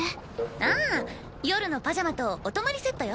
ああ夜のパジャマとお泊まりセットよ。